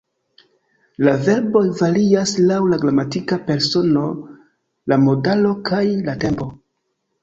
La verboj varias laŭ la gramatika persono, la modalo kaj la tempo.